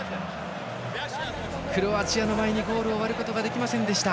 クロアチアの前にゴールを割ることができませんでした。